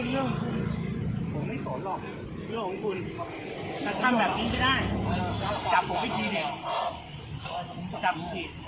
เรื่องของคุณทำแบบนี้ไม่ได้จับผมไปทีเนี่ย